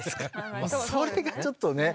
それがちょっとね。